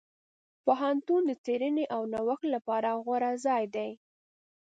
پوهنتون د څېړنې او نوښت لپاره غوره ځای دی.